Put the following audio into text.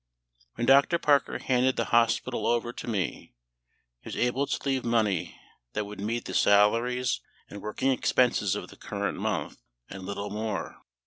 When Dr. Parker handed the hospital over to me he was able to leave money that would meet the salaries and working expenses of the current month, and little more.